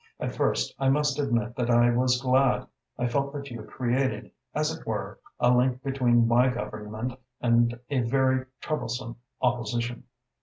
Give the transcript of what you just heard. At first, I must admit that I was glad. I felt that you created, as it were, a link between my Government and a very troublesome Opposition.